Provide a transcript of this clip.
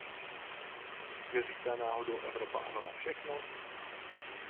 Neříká náhodou Evropa ano na všechno?